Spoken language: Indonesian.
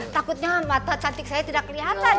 takutnya mata cantik saya tidak kelihatan